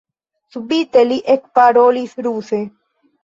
Subite li ekparolis ruse: